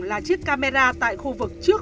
là chiếc camera tại khu vực trước